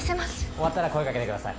終わったら声かけてください